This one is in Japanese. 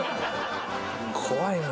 怖いな。